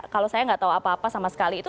kalau saya nggak tahu apa apa sama sekali itu